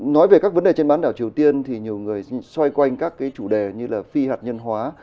nói về các vấn đề trên bán đảo triều tiên thì nhiều người xoay quanh các cái chủ đề như là phi hạt nhân hóa